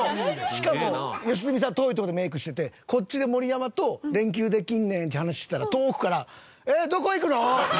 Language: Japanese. しかも良純さん遠いとこでメイクしててこっちで盛山と「連休できんねん」って話してたら遠くから。